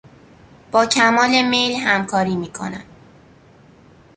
با کمال میل همکاری میکنم.